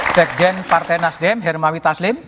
sekjen partai nasdem hermawi taslim